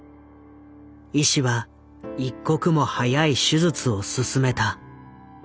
医師は一刻も早い手術を勧めた。